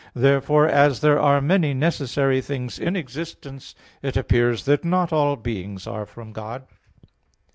Therefore as there are many necessary things in existence, it appears that not all beings are from God.